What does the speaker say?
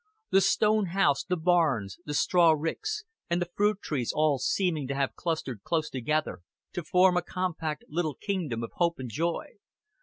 The stone house, the barns, the straw ricks, and the fruit trees all seeming to have clustered close together, to form a compact little kingdom of hope and joy.